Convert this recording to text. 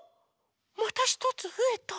またひとつふえた！